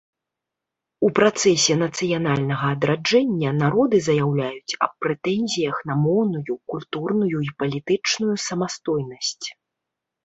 У працэсе нацыянальнага адраджэння народы заяўляюць аб прэтэнзіях на моўную, культурную і палітычную самастойнасць.